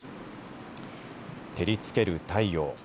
照りつける太陽。